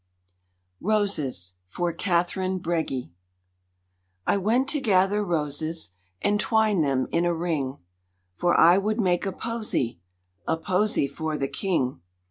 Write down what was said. Roses (For Katherine Bregy) I went to gather roses and twine them in a ring, For I would make a posy, a posy for the King.